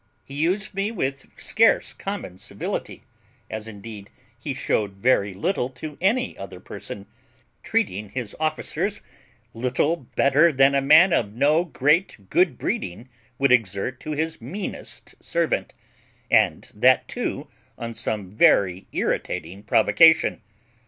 He used me with scarce common civility, as indeed he shewed very little to any other person, treating his officers little better than a man of no great good breeding would exert to his meanest servant, and that too on some very irritating provocation.